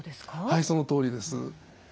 はいそのとおりです。